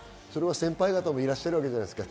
先輩方もいらっしゃるわけじゃないですか。